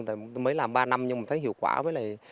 tôi mới làm ba năm nhưng thấy hiệu quả